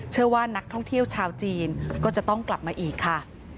เชื่อว่านักท่องเที่ยวชาวจีนก็จะต้องกลับมาอีกค่ะ